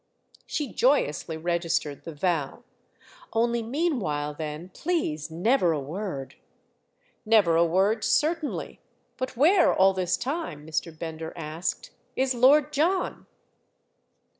She joyously registered the vow. "Only meanwhile then, please, never a word!" "Never a word, certainly. But where all this time," Mr. Bender asked, "is Lord John?"